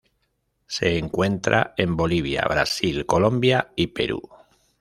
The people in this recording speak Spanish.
Se encuentra en Bolivia, Brasil, Colombia y Perú.